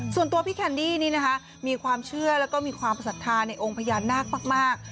ส่วนตัวพี่แคนดี้นี่นะคะมีความเชื่อแล้วก็มีความศรัทธาในองค์พญานาคมาก